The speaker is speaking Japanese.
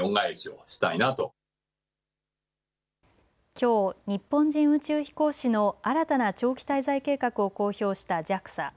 きょう、日本人宇宙飛行士の新たな長期滞在計画を公表したＪＡＸＡ。